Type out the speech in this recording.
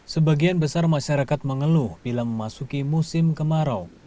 sebagian besar masyarakat mengeluh bila memasuki musim kemarau